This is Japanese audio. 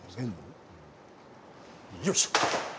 よいしょ！